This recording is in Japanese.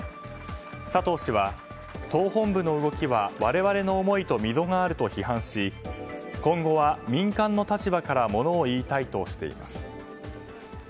佐藤氏は、党本部の動きは我々の思いと溝があると批判し今後は民間の立場からものを言いたいとしています。